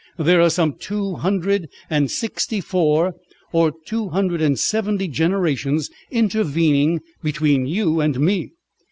There are some two hundred and sixty four or two hundred and seventy generations intervening between you and me.